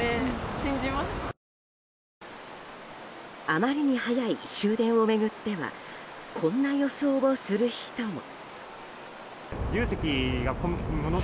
あまりに早い終電を巡ってはこんな予想をする人も。